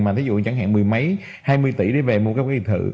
mà thí dụ chẳng hạn mười mấy hai mươi tỷ để về mua các cái thị thự